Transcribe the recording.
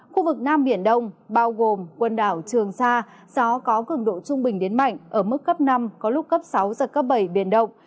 khu vực nam biển đông bao gồm quần đảo trường sa gió có cường độ trung bình đến mạnh ở mức cấp năm có lúc cấp sáu giật cấp bảy biển động